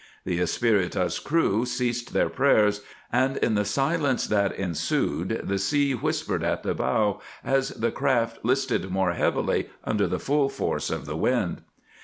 The Espirita's crew ceased their prayers, and in the silence that ensued the sea whispered at the bow as the craft listed more heavily under the full force of the wind.